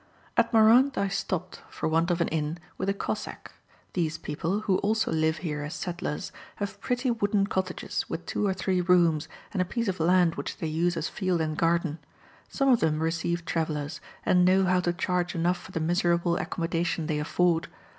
At Marand I stopped, for want of an inn, with a Cossack. These people, who also live here as settlers, have pretty wooden cottages, with two or three rooms, and a piece of land which they use as field and garden. Some of them receive travellers, and know how to charge enough for the miserable accommodation they afford.